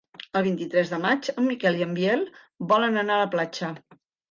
El vint-i-tres de maig en Miquel i en Biel volen anar a la platja.